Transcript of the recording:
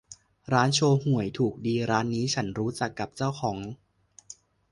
ร้านโชห่วยถูกดีร้านนี้ฉันรู้จักกับเจ้าของ